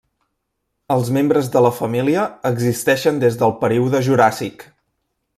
Els membres de la família existeixen des del període Juràssic.